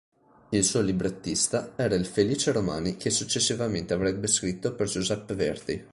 Il suo librettista era il Felice Romani che successivamente avrebbe scritto per Giuseppe Verdi.